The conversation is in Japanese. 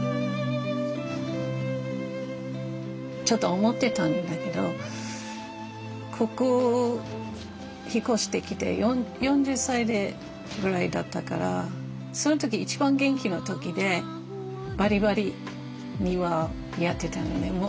ちょっと思ってたんだけどここ引っ越してきて４０歳ぐらいだったからその時一番元気の時でバリバリ庭やってたんよね。